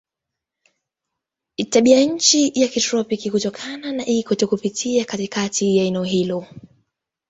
Tabianchi ni ya kitropiki kutokana na ikweta kupita katikati ya eneo hilo.